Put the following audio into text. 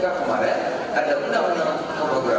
banyaknya di dpr itu sudah ada lima pakrenya